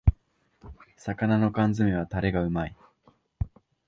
魚の缶詰めはタレがうまい